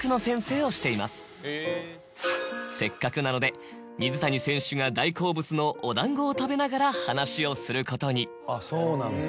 せっかくなので水谷選手が大好物のお団子を食べながら話をすることに。